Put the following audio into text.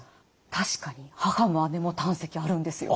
確かに母も姉も胆石あるんですよ。